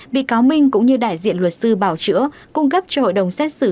bị cáo minh cũng như đại diện luật sư bảo chữa cung cấp cho hội đồng xét xử